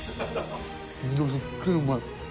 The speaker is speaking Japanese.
すっげーうまい。